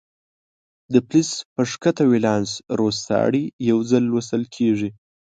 د فلز په ښکته ولانس روستاړي یو ځای لوستل کیږي.